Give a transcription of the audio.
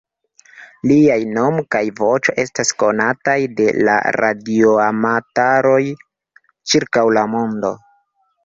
Liaj nomo kaj voĉo estas konataj de la radioamatoroj ĉirkaŭ la mondo.